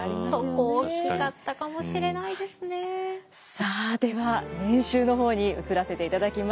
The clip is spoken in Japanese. さあでは年収の方に移らせていただきます。